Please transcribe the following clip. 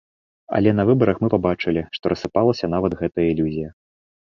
Але на выбарах мы пабачылі, што рассыпалася нават гэтая ілюзія.